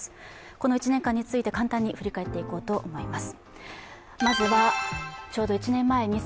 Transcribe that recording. この１年間について簡単に振り返っていこうと思います。